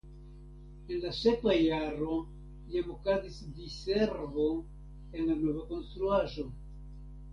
En la sekva jaro jam okazis diservo en la nova konstruaĵo.